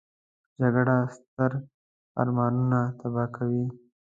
جګړه ستر ارمانونه تباه کوي